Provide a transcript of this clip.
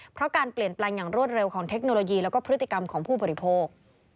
เพราะการเปลี่ยนแปลงอย่างรวดเร็วของเทคโนโลยีแล้วก็พฤติกรรมของผู้บริโภค